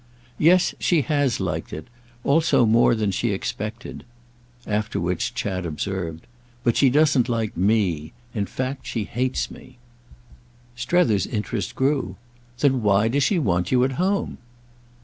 "Yes, she has liked it—also more than she expected." After which Chad observed: "But she doesn't like me. In fact she hates me." Strether's interest grew. "Then why does she want you at home?"